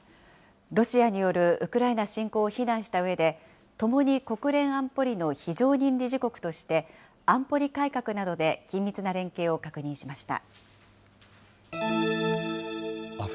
ロシアによるウクライナ侵攻を非難したうえで、ともに国連安保理の非常任理事国として、安保理改革などで緊密な連携を確認しました。